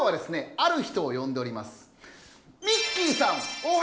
ある人をよんでおります。